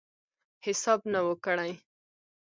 حساب نه وو کړی.